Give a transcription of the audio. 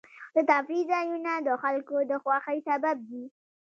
د تفریح ځایونه د خلکو د خوښۍ سبب دي.